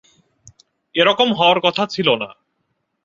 এরকম হওয়ার কথা ছিলো না।